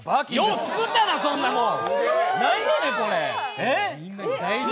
よう作ったな、そんなもん！